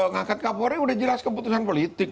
ngangkat kapolri udah jelas keputusan politik